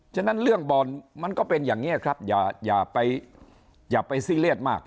ฉะนั้นเรื่องบอลมันก็เป็นอย่างนี้ครับอย่าไปอย่าไปซีเรียสมาก